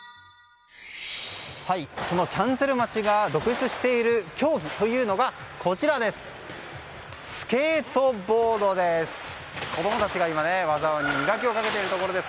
キャンセル待ちが続出している競技というのがスケートボードです。